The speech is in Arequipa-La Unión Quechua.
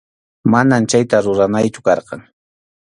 Manam chayta ruranaychu karqan.